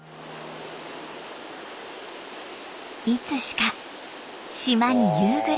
いつしか島に夕暮れが。